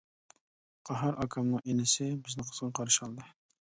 قاھار ئاكامنىڭ ئىنىسى، بىزنى قىزغىن قارشى ئالدى.